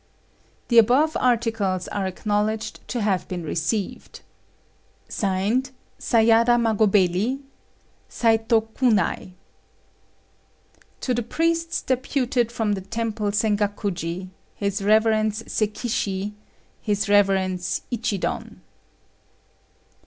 The above articles are acknowledged to have been received. Signed, { SAYADA MAGOBELI. (Loc. sigill.) { SAITÔ KUNAI. (Loc. sigill.) "To the priests deputed from the Temple Sengakuji, His Reverence SEKISHI, His Reverence ICHIDON."